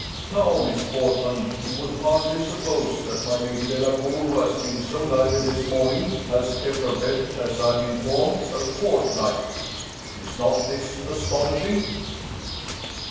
Now, Miss Portman, you would hardly suppose that my Lady Delacour, who has been so lively this morning, has kept her bed, as I am informed, a fortnight is not this astonishing?"